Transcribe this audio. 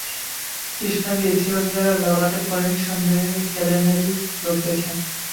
কৃষ্ণাঙ্গ ইথিওপের ললাটে প্রেমিক সুন্দরী হেলেনেরই রূপ দেখে।